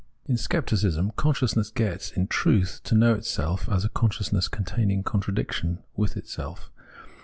In Scepticism consciousness gets, in truth, to know itself as a consciousness containing contradiction within itself.